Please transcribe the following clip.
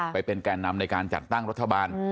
ไปเป็นแก่นำในการจัดตั้งรัฐบาล